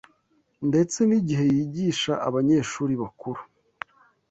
ndetse n’igihe yigisha abanyeshuri bakuru